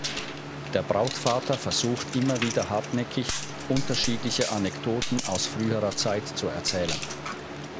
Der Brautvater versucht immer wieder hartnäckig, unterschiedliche Anekdoten aus früherer Zeit zu erzählen.